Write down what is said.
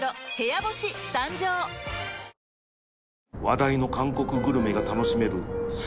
話題の韓国グルメが楽しめる２